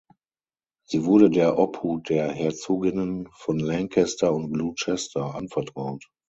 Sie wurde der Obhut der Herzoginnen von Lancaster und Gloucester anvertraut.